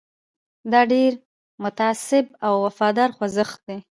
دا ډېر متعصب او وفادار خوځښت دی.